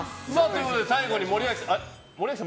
最後に森脇さん。